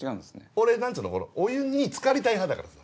俺何つうのお湯につかりたい派だからさ。